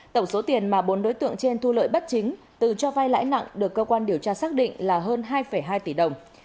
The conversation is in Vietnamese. tổng số tiền mà bốn đối tượng trên thu lợi bất chính từ cho vay lãi nặng được cơ quan điều tra xác định là hơn hai hai tỷ đồng